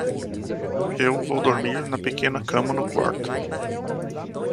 Eu vou dormir na pequena cama no quarto.